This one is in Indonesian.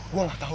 gue gak tau